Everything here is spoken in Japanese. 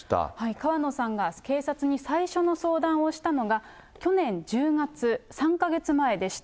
川野さんが警察に最初の相談をしたのが、去年１０月、３か月前でした。